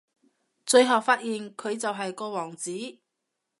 最後發現佢就係個王子